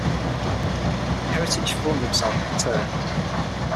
Heritage flung himself on the turf.